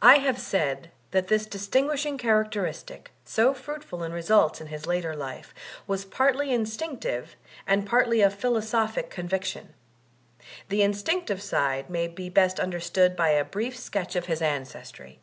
I have said that this distinguishing characteristic, so fruitful in results in his later life, was partly instinctive and partly a philosophic conviction. The instinctive side may be best understood by a brief sketch of his ancestry.